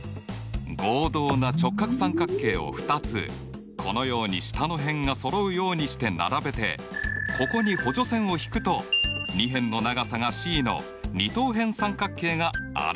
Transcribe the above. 合同な直角三角形を２つこのように下の辺がそろうようにして並べてここに補助線を引くと２辺の長さがｃの二等辺三角形が現れるね。